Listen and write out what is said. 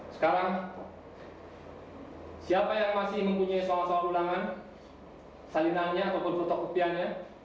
sekarang siapa yang masih mempunyai soal soal ulangan salinannya ataupun protokopiannya